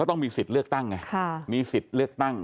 ต้องมีสิทธิ์เลือกตั้งไงมีสิทธิ์เลือกตั้ง